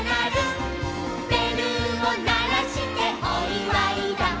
「べるをならしておいわいだ」